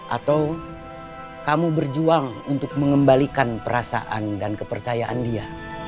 atau kamu berjuang untuk mengembalikan perasaan dan kepercayaan dia